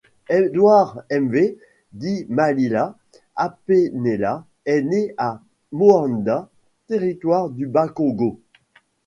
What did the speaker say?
Édouard Mwe di Malila Apenela est né à Moanda, territoire du Bas-Congo.